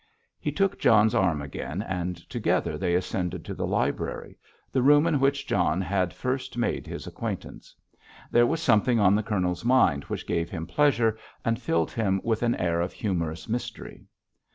He took John's arm again, and together they ascended to the library, the room in which John had first made his acquaintance. There was something on the Colonel's mind which gave him pleasure, and filled him with an air of humorous mystery.